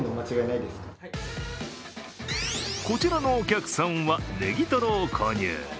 こちらのお客さんはネギトロを購入。